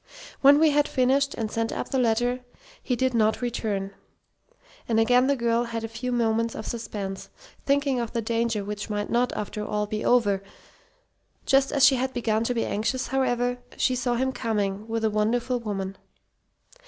When he had finished, and sent up the letter, he did not return, and again the girl had a few moments of suspense, thinking of the danger which might not, after all, be over. Just as she had begun to be anxious, however, she saw him coming with a wonderful woman.